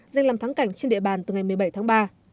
danh làm thắng cảnh trên địa bàn từ ngày một mươi bảy tháng ba